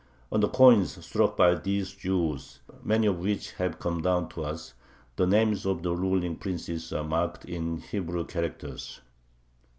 On the coins struck by these Jews, many of which have come down to us, the names of the ruling princes are marked in Hebrew characters.